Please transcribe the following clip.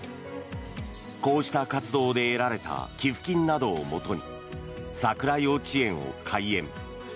こうした活動で得られた寄付金などをもとにＳＡＫＵＲＡ幼稚園を開園。